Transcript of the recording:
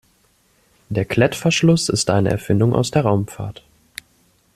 Der Klettverschluss ist eine Erfindung aus der Raumfahrt.